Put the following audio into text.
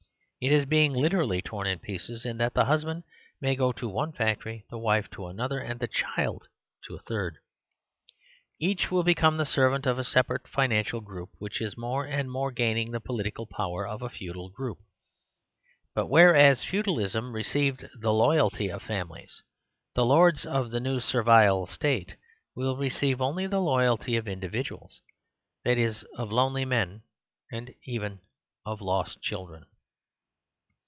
It is being literally torn in pieces, in that the hus band may go to one factory, the wife to another, and the child to a third. Each will become the servant of a separate financial group, which is more and more gaining the political power of a feudal group. But whereas feudalism received the loyalty of families, the lords of the new servile state will receive only the loyalty of individuals; that is, of lonely men and even of lost chil dren.